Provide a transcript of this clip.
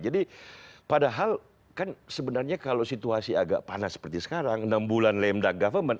jadi padahal kan sebenarnya kalau situasi agak panas seperti sekarang enam bulan lemdak government